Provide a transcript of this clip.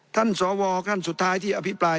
สวท่านสุดท้ายที่อภิปราย